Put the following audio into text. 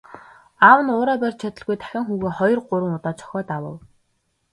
Аав нь уураа барьж чадалгүй дахин хүүгээ хоёр гурван удаа цохиод авав.